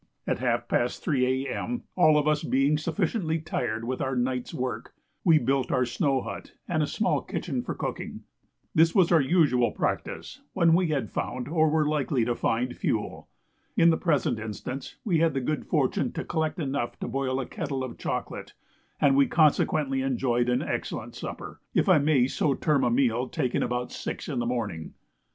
At half past 3 A.M., all of us being sufficiently tired with our night's work, we built our snow hut and a small kitchen for cooking. This was our usual practice when we had found, or were likely to find, fuel. In the present instance, we had the good fortune to collect enough to boil a kettle of chocolate, and we consequently enjoyed an excellent supper, if I may so term a meal taken about six in the morning.